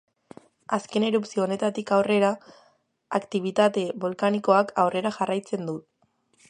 Azken erupzio honetatik aurrera, aktibitate bolkanikoak aurrera jarraitzen du.